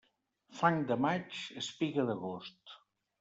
Fang de maig, espiga d'agost.